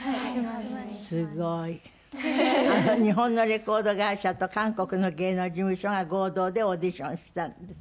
すごい。日本のレコード会社と韓国の芸能事務所が合同でオーディションしたんですね。